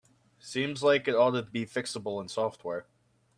Seems like it ought to be fixable in software.